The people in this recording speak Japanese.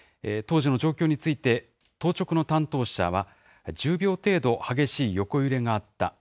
当時の状況について、当直の担当者は、１０秒程度激しい横揺れがあった。